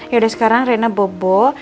yaudah sekarang rena bobo